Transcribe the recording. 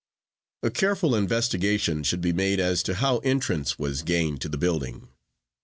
A careful investigation should be made as to how entrance was gained to the building.